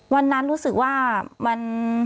วันนั้นรู้สึกว่ามัน